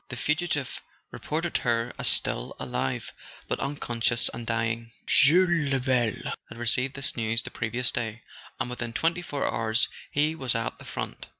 The fugitive reported her as still alive, but unconscious, and dying. Jules Lebel had received this news the previous day; and within twenty four hours he was at the front.